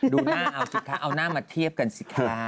ดูหน้าเอาสิคะเอาหน้ามาเทียบกันสิคะ